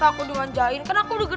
masa aku diwanjain kan aku udah gede